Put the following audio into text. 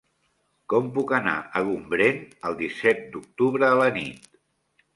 Com puc anar a Gombrèn el disset d'octubre a la nit?